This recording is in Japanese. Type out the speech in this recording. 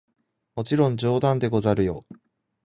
もちろん冗談でござるよ！